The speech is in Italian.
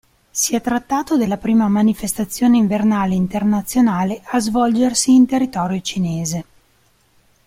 Si è trattato della prima manifestazione invernale internazionale a svolgersi in territorio cinese.